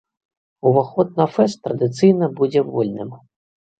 Уваход на фэст традыцыйна будзе вольным.